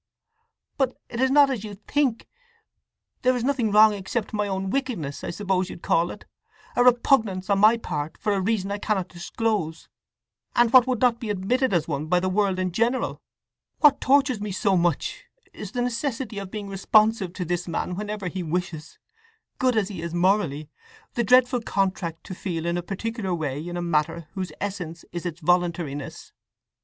"But it is not as you think!—there is nothing wrong except my own wickedness, I suppose you'd call it—a repugnance on my part, for a reason I cannot disclose, and what would not be admitted as one by the world in general! … What tortures me so much is the necessity of being responsive to this man whenever he wishes, good as he is morally!—the dreadful contract to feel in a particular way in a matter whose essence is its voluntariness!